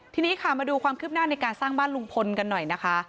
ทีนี้ค่ะมาดูความคืบหน้าในการสร้างบ้านลุงพลกันหน่อยนะคะ